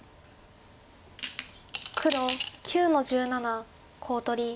黒９の十七コウ取り。